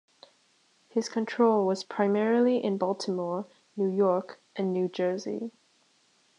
His control was primarily in Baltimore, New York, and New Jersey.